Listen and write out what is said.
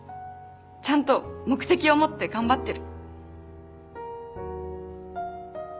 ちゃんと目的を持って頑張ってる。